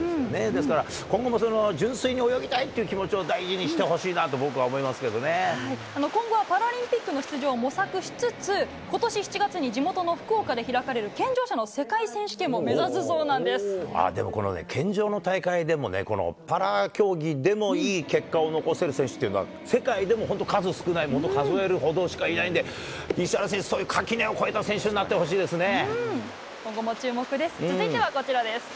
ですから、今後も純粋に泳ぎたいっていう気持ちを大事にしてほしいと、今後はパラリンピックの出場を模索しつつ、ことし７月に地元の福岡で開かれる健常者の世界選手権も目指すそでも、このね、健常の大会でもね、このパラ競技でもいい結果を残せる選手っていうのは、世界でも本当に数少ない、数えるほどしかいないんで、石原選手、そういう垣根を越えた選手になってほしいですね。